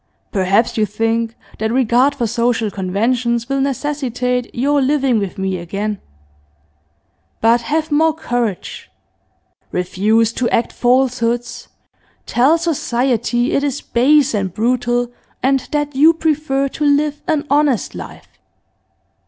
Perhaps you think that regard for social conventions will necessitate your living with me again. But have more courage; refuse to act falsehoods; tell society it is base and brutal, and that you prefer to live an honest life.